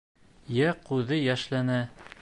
Йә күҙе йәшләнә.